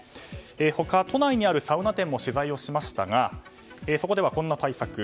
他、都内にあるサウナ店も取材をしましたがそこでは、こんな対策。